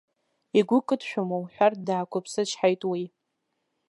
Игәы кыдшәома уҳәартә даақәыԥсычҳаит уи.